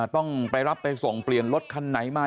ต้องไปรับไปส่งเปลี่ยนรถคันไหนมา